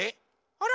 あら？